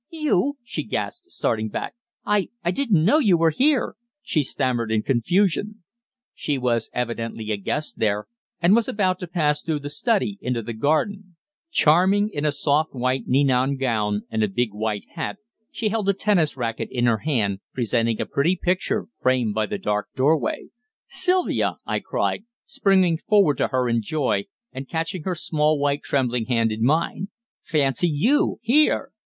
"You!" she gasped, starting back. "I I didn't know you were here!" she stammered in confusion. She was evidently a guest there, and was about to pass through the study into the garden. Charming in a soft white ninon gown and a big white hat, she held a tennis racket in her hand, presenting a pretty picture framed by the dark doorway. "Sylvia!" I cried, springing forward to her in joy, and catching her small white trembling hand in mine. "Fancy you here!"